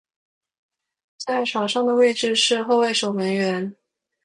在场上的位置是后卫守门员。